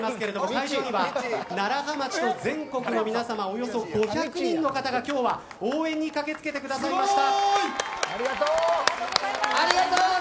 会場には楢葉町の全国の皆さまおよそ５００人の方が、応援に駆け付けてくださいました。